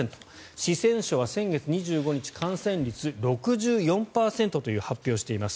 四川省は先月２５日感染率６４％という発表をしています。